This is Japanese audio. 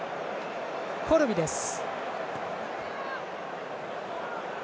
コルビです。